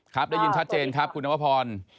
ครับได้ยินชัดเจนครับคุณนวพร